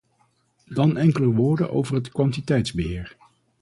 Dan enkele woorden over het kwantiteitsbeheer.